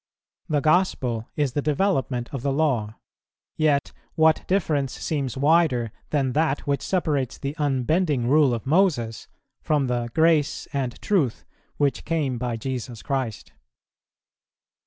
The Gospel is the development of the Law; yet what difference seems wider than that which separates the unbending rule of Moses from the "grace and truth" which "came by Jesus Christ?"